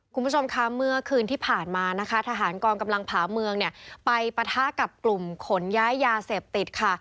คุณผู้ชมคะเมื่อคืนที่ผ่านมานะคะทหารกองกำลังผาเมืองเนี่ยไปปะทะกับกลุ่มขนย้ายยาเสพติดค่ะ